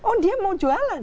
oh dia mau jualan